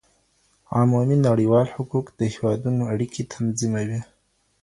عمومي نړيوال حقوق د هېوادونو اړيکې تنظيموي.